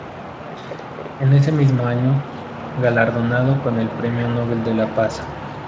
En ese mismo año galardonado con el premio Nobel de la Paz.